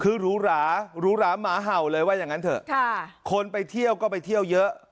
คือหรูหราหรูหราหมาเห่าเลยว่าอย่างนั้นเถอะคนไปเที่ยวก็ไปเที่ยวเยอะ